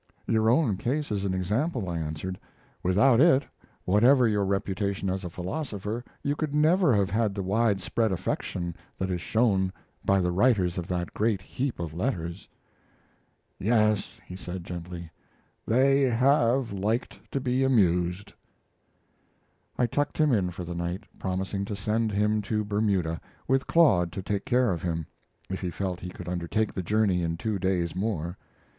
"Your own case is an example," I answered. "Without it, whatever your reputation as a philosopher, you could never have had the wide spread affection that is shown by the writers of that great heap of letters." "Yes," he said, gently, "they have liked to be amused." I tucked him in for the night, promising to send him to Bermuda, with Claude to take care of him, if he felt he could undertake the journey in two days more.